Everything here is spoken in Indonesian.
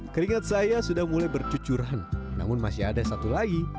keringat saya sudah mulai bercucuran namun masih ada satu lagi